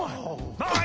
はい。